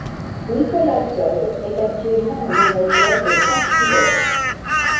Nicolas Todt est actuellement le manager de cinq pilotes.